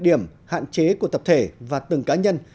điểm hạn chế của tập thể và từng cá nhân